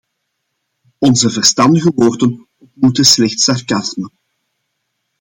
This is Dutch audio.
Onze verstandige woorden ontmoetten slechts sarcasme.